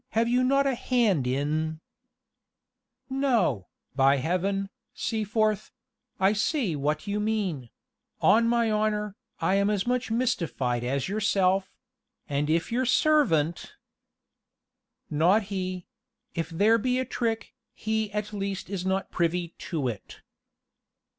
have you not a hand in " "No, by heaven, Seaforth; I see what you mean: on my honor, I am as much mystified as yourself; and if your servant " "Not he: If there be a trick, he at least is not privy to it."